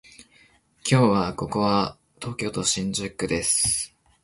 今日はここは東京都新宿区です